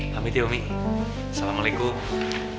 pamit ya umi assalamualaikum